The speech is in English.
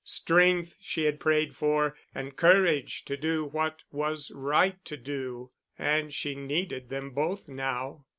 Strength she had prayed for, and courage to do what was right to do, and she needed them both now....